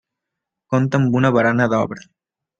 Compta amb una barana d'obra.